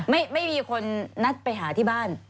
ไม่มีคนนัดไปหาที่บ้าน